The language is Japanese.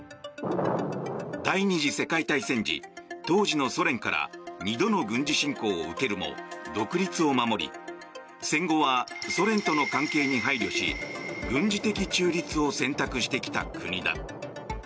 第２次世界大戦時当時のソ連から２度の軍事侵攻を受けるも独立を守り戦後はソ連との関係に配慮し軍事的中立を選択してきた国だ。